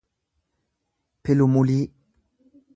pilumulii